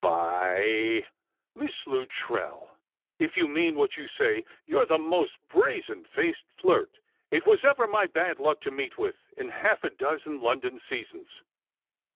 By , Misa Luttrell, if you mean what you say, you're the most brazen faced flirt it was ever my bad luck to meet with in half a dozeu London seasons!"